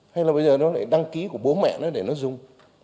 hay là bây giờ nó lại đăng ký của bố mẹ nó để nó dùng